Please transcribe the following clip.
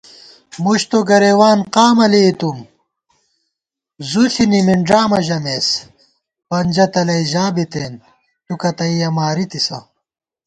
مُشت و گرېوان قامہ لېئیتُم، زُو ݪی نِمنݮامہ ژَمېس * پنجہ تلَئ ژا بِتېن تُو کتّیَہ مارِتِسہ